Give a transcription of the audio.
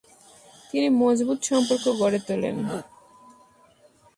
তিনি মজবুত সম্পর্ক গড়ে তোলেন।